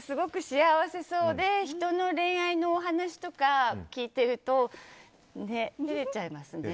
すごく幸せそうで人の恋愛のお話とか聞いてると照れちゃいますね。